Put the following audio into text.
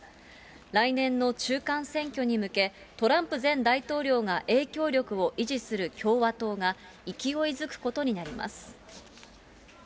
来年の中間選挙に向け、トランプ前大統領が影響力を維持する共和党が、勢いづくことになります。